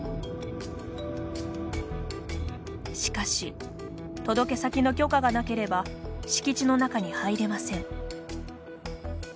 しかし届け先の許可がなければ敷地の中に入れません。